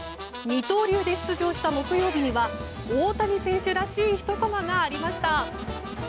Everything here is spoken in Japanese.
二刀流で出場した木曜日には大谷選手らしいひとコマがありました。